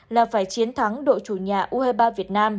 là phải chiến thắng đội chủ nhà u hai mươi ba việt nam